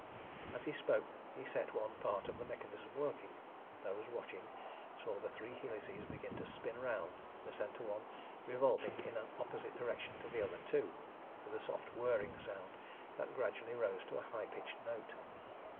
As he spoke, he set one part of the mechanism working. Those watching saw the three helices begin to spin round, the centre one revolving in an opposite direction to the other two, with a soft whirring sound that gradually rose to a high pitched note.